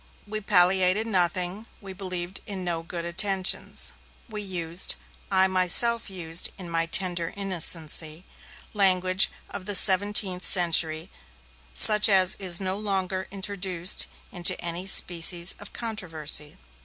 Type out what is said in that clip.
We palliated nothing, we believed in no good intentions, we used (I myself used, in my tender innocency) language of the seventeenth century such as is now no longer introduced into any species of controversy.